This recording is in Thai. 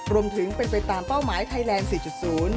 รวมถึงเป็นไปตามเป้าหมายไทยแลนด์๔๐